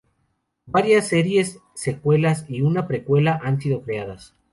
Varias series, secuelas y una precuela han sido creadas.